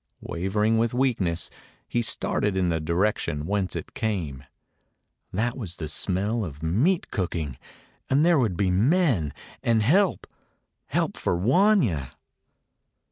Wavering with weakness, he started in the direction whence it came. That was the smell of meat cooking; and there would be men — and help — help for Wanya!